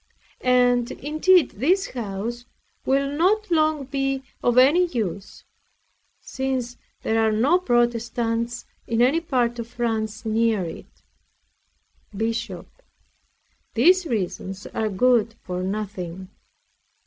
And indeed this house will not long be of any use, since there are no Protestants in any part of France near it. BISHOP These reasons are good for nothing.